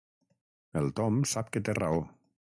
El Tom sap que té raó.